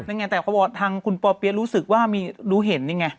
นั่นไงแต่เขาบอกว่าทางคุณปอเปี๊ยะรู้สึกว่ามีรู้เห็นนี่ไง